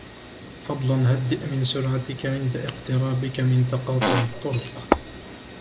فضلاً هدئ من سرعتك عند اقترابك من تقاطع الطرق.